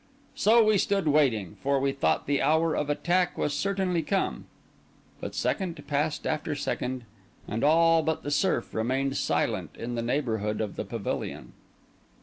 So we stood waiting, for we thought the hour of attack was certainly come; but second passed after second, and all but the surf remained silent in the neighbourhood of the pavilion.